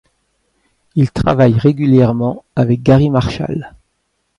Il travaille régulièrement avec Garry Marshall.